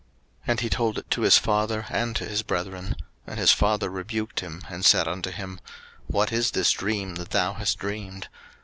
01:037:010 And he told it to his father, and to his brethren: and his father rebuked him, and said unto him, What is this dream that thou hast dreamed?